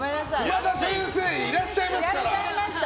熊田先生いらっしゃいますから。